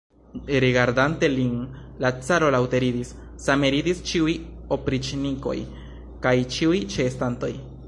Rigardante lin, la caro laŭte ridis, same ridis ĉiuj opriĉnikoj kaj ĉiuj ĉeestantoj.